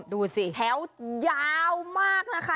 ดูสิแถวยาวมากนะคะ